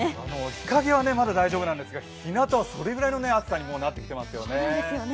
日陰はまだ大丈夫なんですが、ひなたはそれくらいの暑さになってきていますよね。